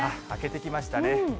明けてきましたね。